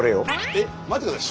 えっ待って下さい。